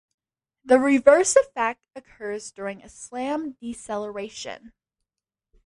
The reverse effect occurs during a slam-deceleration.